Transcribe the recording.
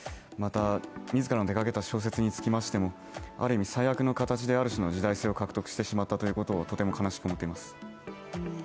また、自らの手がけた小説につきましてもある意味最悪の形である種の時代性を獲得してしまったととても悲しく思っています。